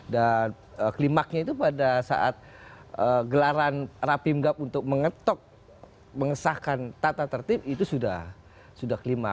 dan klimaknya itu pada saat gelaran rapimgab untuk mengetok mengesahkan tata tertib itu sudah klimak